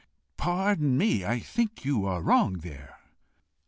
"Pardon me; I think you are wrong there."